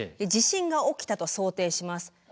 地震が起きたと想定します。